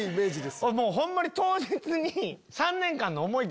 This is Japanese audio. ホンマに当日に。